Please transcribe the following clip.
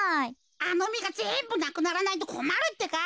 あのみがぜんぶなくならないとこまるってか。